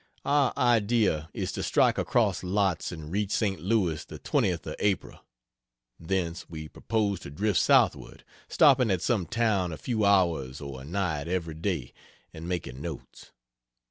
Our idea is to strike across lots and reach St. Louis the 20th of April thence we propose to drift southward, stopping at some town a few hours or a night, every day, and making notes.